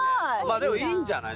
でもいいんじゃない？